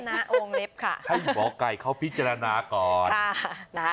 ให้หมอกไก่เข้าพิจารณาก่อน